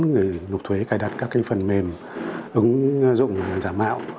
người nộp thuế cài đặt các phần mềm ứng dụng giả mạo